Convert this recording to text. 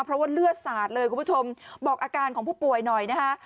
เพราะว่าเลือดสาดเลยคุณผู้ชมบอกอาการของผู้ป่วยหน่อยนะคะ